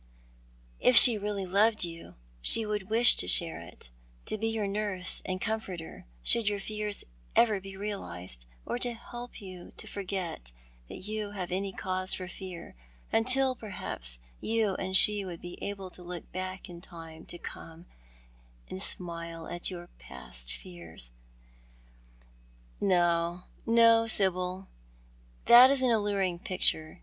" If she really loved you she would wish to share it — to be your nurse and comforter, should your fears ever be realised, or to help you to forget that you have any cause for fear — until, perhaps, you and she would be able to look back in the time to come, and smile at your past fears." " No, no, Sib}l, that is an alluring picture.